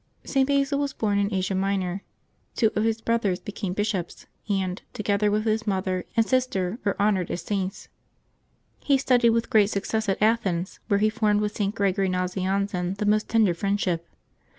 [t. Basil was born in Asia Minor. Two of his brothers became bishops, and, together with his mother and sister, are honored as Saints. He studied with great suc cess at Athens, where he formed with St. Gregory Nazian zen the most tender friendship.